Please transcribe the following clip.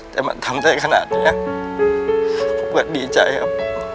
แต่มันทำได้ขนาดนี้ผมก็ดีใจครับ